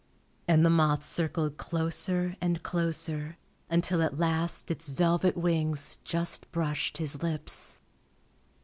And the moth circled closer and closer until at last its velvet wings just brushed his lips